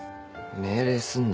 命令すんなよ。